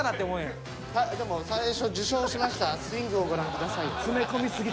でも最初「受賞しましたスイングをご覧ください」。